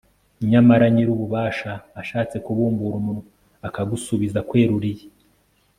nyamara nyir'ububasha ashatse kubumbura umunwa, akagusubiza akweruriye